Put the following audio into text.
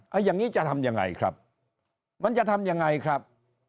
เอาอย่างนี้จะทำยังไงครับมันจะทำยังไงครับ